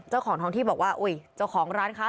เจ้าของท้องที่บอกว่าอุ้ยเจ้าของร้านค้า